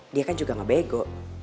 dia kan juga gak bego